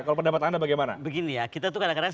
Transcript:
kalau pendapat anda bagaimana begini ya kita tuh kadang kadang